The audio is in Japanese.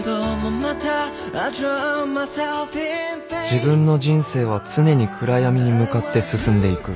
［自分の人生は常に暗闇に向かって進んでいく］